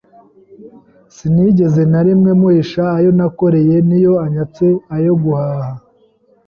sinigeze na rimwe muhisha ayo nakoreye, n’iyo anyatse ayo guhaha,